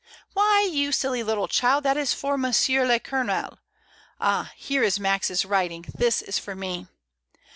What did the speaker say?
"Why, you silly little child, that is for Monsieur le Colonel. Ah, here is Max's writing, this is for me.